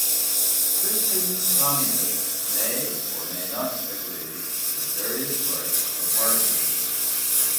Christian communists may or may not agree with various parts of Marxism.